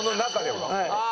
はい。